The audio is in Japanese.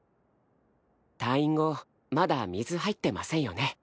退院後まだ水入ってませんよね？